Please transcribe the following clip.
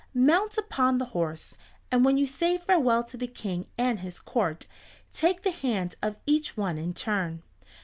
Mount upon the horse, and when you say farewell to the King and his court, take the hand of each one in turn.